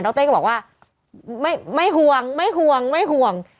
แล้วเต้ก็บอกว่าไม่หวงไม่หวง